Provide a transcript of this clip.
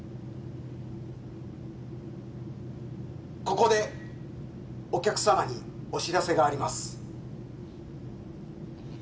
ここでお客さまにお知らせがあります。